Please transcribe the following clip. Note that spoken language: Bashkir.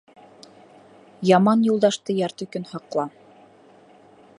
Яман юлдашты ярты көн һаҡла.